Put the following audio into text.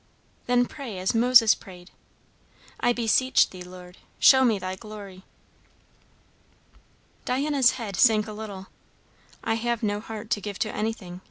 "Then pray as Moses prayed, 'I beseech thee, show me thy glory.'" Diana's head sank a little. "I have no heart to give to anything!"